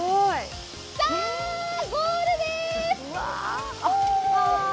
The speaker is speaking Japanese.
さあ、ゴールでーす。